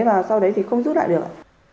và sau đấy thì không rút lại được